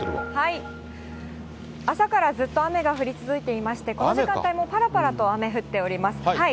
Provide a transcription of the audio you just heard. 朝からずっと雨が降り続いていまして、この時間帯もぱらぱらと雨降っております。